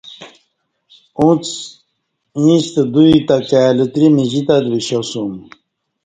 اݩڅ ایݩستہ دوئ تہ کائ لتری مجیتت وشیاسوم